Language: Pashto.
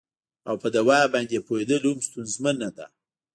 او په دوا باندې یې پوهیدل هم ستونزمنه ده